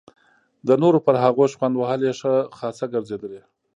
د نورو پر هغو شخوند وهل یې ښه خاصه ګرځېدلې.